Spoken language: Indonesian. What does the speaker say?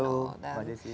halo pak desi